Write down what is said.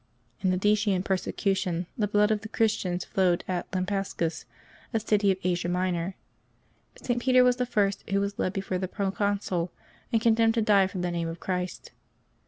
IN the Decian persecution the blood of the Christians flowed at Lampsacus, a city of Asia Minor. St. Peter was the first who was led before the proconsul and condemned to die for the name of Christ.